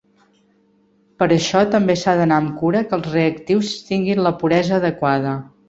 Per això també s’ha d'anar amb cura que els reactius tinguin la puresa adequada.